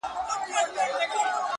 o د محبت دار و مدار کي خدايه ،